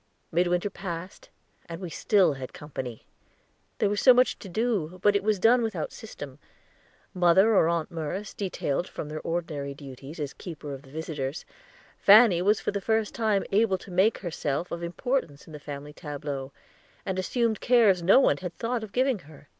Midwinter passed, and we still had company. There was much to do, but it was done without system. Mother or Aunt Merce detailed from their ordinary duties as keeper of the visitors, Fanny was for the first time able to make herself of importance in the family tableaux, and assumed cares no one had thought of giving her.